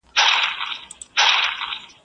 o نې خپله خوري، نې بل ته ورکوي.